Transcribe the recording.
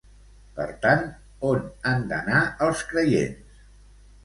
Per tant, on han d'anar els creients?